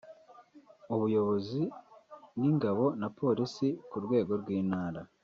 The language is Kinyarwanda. Ubuyobozi bw’Ingabo na Polisi ku rwego rw’Intara